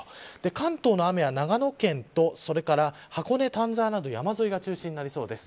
関東の雨は長野県と箱根丹沢など山沿いが中心となりそうです。